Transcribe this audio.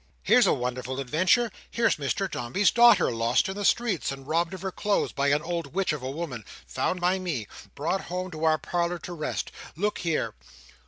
"Here's a wonderful adventure! Here's Mr Dombey's daughter lost in the streets, and robbed of her clothes by an old witch of a woman—found by me—brought home to our parlour to rest—look here!"